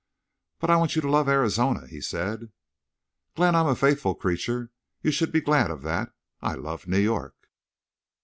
"But I want you to love Arizona," he said. "Glenn, I'm a faithful creature. You should be glad of that. I love New York."